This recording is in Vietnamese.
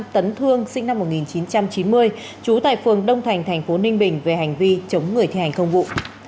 tấn thương sinh năm một nghìn chín trăm chín mươi trú tại phường đông thành thành phố ninh bình về hành vi chống người thi hành công vụ